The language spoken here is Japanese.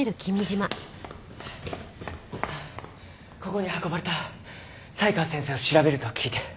ここに運ばれた才川先生を調べると聞いて。